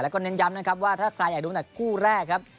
แล้วก็เน้นย้ำนะครับว่าถ้าใครอยากดูตั้งแต่คู่แรกครับ